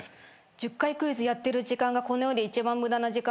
１０回クイズやってる時間がこの世で一番無駄な時間ですよ。